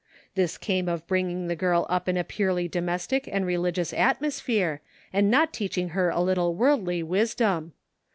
This came of bringing the girl up in a purely domestic and religious atmosphere and not teaching her a little worldly wisdom.